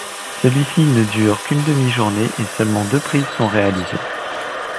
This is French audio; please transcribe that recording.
Celui-ci ne dure qu'une demi-journée, et seulement deux prises sont réalisées.